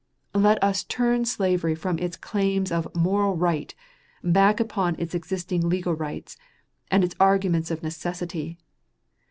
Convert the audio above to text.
Let us turn slavery from its claims of "moral right" back upon its existing legal rights, and its arguments of "necessity."